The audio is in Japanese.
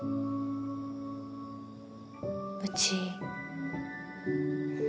うち。